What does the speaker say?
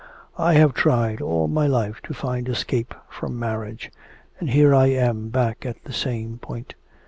I have tried all my life to find escape from marriage, and here I am back at the same point.